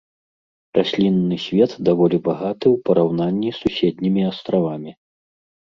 Раслінны свет даволі багаты ў параўнанні з суседнімі астравамі.